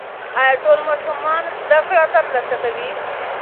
ایا ټول ماشومان زده کړه ترلاسه کوي؟